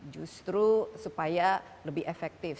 justru supaya lebih efektif